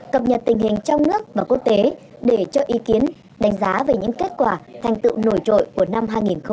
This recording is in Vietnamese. cập nhật tình hình trong nước và quốc tế để cho ý kiến đánh giá về những kết quả thành tựu nổi trội của năm hai nghìn một mươi chín